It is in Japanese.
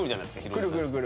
くるくるくる。